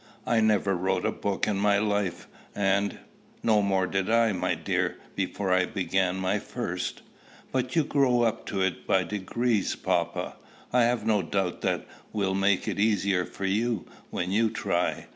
I never wrote a book in my life, and" "No more did I, my dear, before I began my first." "But you grew up to it by degrees, papa!" "I have no doubt that will make it the easier for you, when you try.